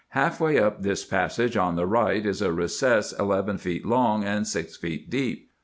Half way up this passage on the right is a recess eleven feet long and six feet deep.